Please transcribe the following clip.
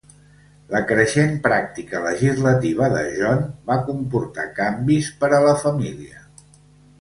La creixent pràctica legislativa de John va comportar canvis per a la família.